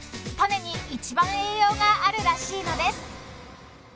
［種に一番栄養があるらしいのです］